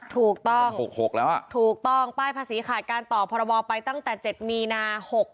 ถูกต้อง๖๖แล้วอ่ะถูกต้องป้ายภาษีขาดการต่อพรบไปตั้งแต่๗มีนา๖๖